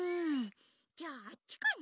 ・じゃああっちかな？